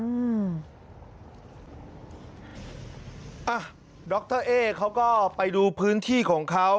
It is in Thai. อ่ะดรเอ๊เขาก็ไปดูพื้นที่ของเขา